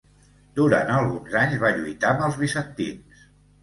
Durant alguns anys va lluitar amb els bizantins.